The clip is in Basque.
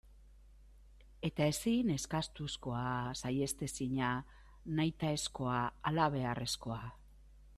Eta ezin eskastuzkoa, saihetsezina, nahitaezkoa, halabeharrezkoa.